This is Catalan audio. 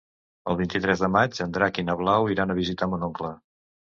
El vint-i-tres de maig en Drac i na Blau iran a visitar mon oncle.